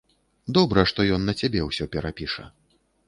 Добра што ён на цябе ўсё перапіша.